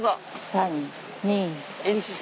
３・２・１。